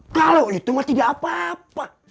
kalau itu mati tidak apa apa